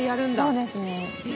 そうですね。